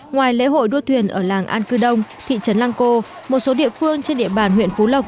ngoài lễ hội đua thuyền ở làng an cư đông thị trấn lăng cô một số địa phương trên địa bàn huyện phú lộc